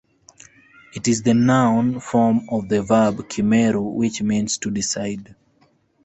It is the noun form of the verb "kimeru," which means "to decide,".